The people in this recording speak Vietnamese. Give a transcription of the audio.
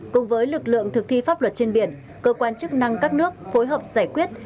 cùng với lực lượng thực thi pháp luật trên biển cơ quan chức năng các nước phối hợp giải quyết